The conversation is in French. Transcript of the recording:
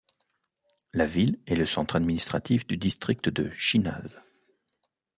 La ville est le centre administratif du district de Chinaz.